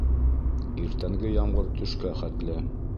Иртәнге ямғыр төшкә хәтле.